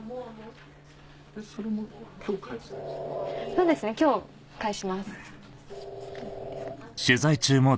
そうですね今日返します。